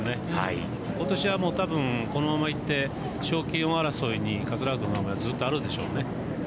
今年はたぶん、このままいって賞金王争いに桂川君の名前ずっとあるでしょうね。